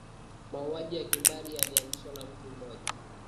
mauaji ya kimbari yalianzishwa na mtu mmoja